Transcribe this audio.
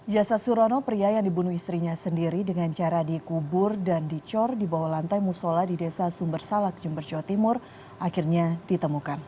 jasad surono pria yang dibunuh istrinya sendiri dengan cara dikubur dan dicor di bawah lantai musola di desa sumber salak jember jawa timur akhirnya ditemukan